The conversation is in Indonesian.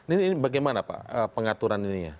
ini bagaimana pak pengaturan ininya